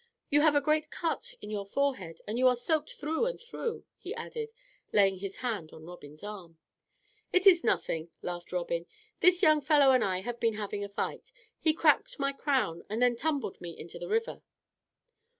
"You have a great cut in your forehead, and you are soaked through and through," he added, laying his hand on Robin's arm. "It is nothing," laughed Robin. "This young fellow and I have been having a fight. He cracked my crown and then tumbled me into the river."